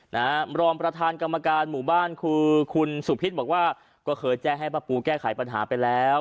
รองประธานกรรมการหมู่บ้านคือคุณสุพิษบอกว่าก็เคยแจ้งให้ป้าปูแก้ไขปัญหาไปแล้ว